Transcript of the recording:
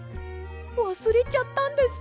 わすれちゃったんですか？